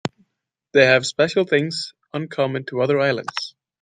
They have special things uncommon to other islands.